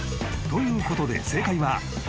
［ということで正解は］